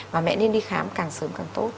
và mẹ nên đi khám càng sớm càng tốt